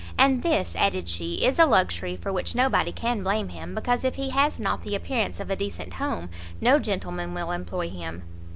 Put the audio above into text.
"And this," added she, "is a luxury for which nobody can blame him, because if he has not the appearance of a decent home, no gentleman will employ him."